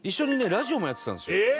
ラジオもやってたんですよ。